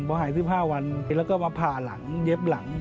พอหาย๑๕วันแล้วก็มาผ่าหลังเย็บหลัง